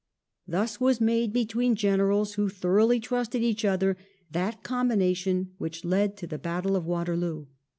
Thus was made, between generals who thoroughly trusted each other, that combination which led to the Battle of Waterloo.